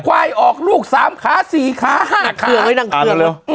ควายออกลูก๓ขา๔ขา๕ขานั่งเครื่องเวที่นั่งเครื่อง